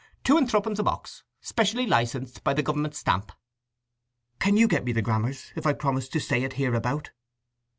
Two and threepence a box—specially licensed by the government stamp." "Can you get me the grammars if I promise to say it hereabout?"